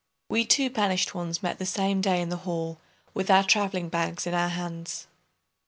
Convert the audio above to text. We two banished ones met the same day in the hall, with our traveling bags in our hands.